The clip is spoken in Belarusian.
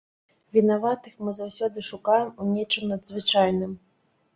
Вінаватых мы заўсёды шукаем у нечым надзвычайным.